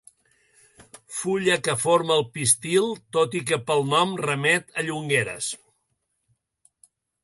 Fulla que forma el pistil, tot i que pel nom remet a Llongueras.